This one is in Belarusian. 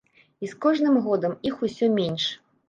І з кожным годам іх усё менш.